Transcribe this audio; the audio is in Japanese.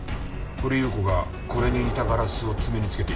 掘祐子がこれに似たガラスを爪につけていた。